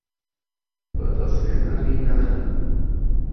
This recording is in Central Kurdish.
بەدەس هێنانی نانن